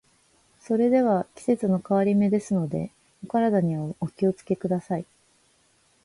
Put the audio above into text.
それでは、季節の変わり目ですので、お体にはお気を付けください。